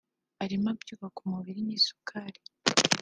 arimo ibyubaka umubiri n’isukari